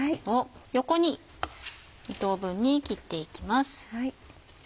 横に２等分に切っていきます。